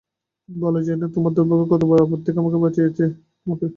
বলা যায় না তোমার দূর্ভাগ্য কতোবড় আপদ থেকে বাঁচিয়ে দিয়েছে তোমাকে।